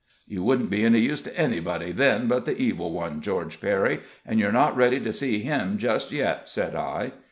"You wouldn't be any use to _any_body then but the Evil One, George Perry, and you're not ready to see him just yet," said I.